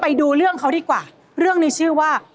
ไปดูเรื่องเขาดีกว่าเรื่องนี้ชื่อว่า